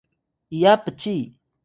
iya pci